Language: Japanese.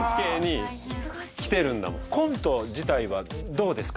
コント自体はどうですか？